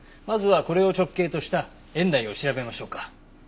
まずはこれを直径とした円内を調べましょうか。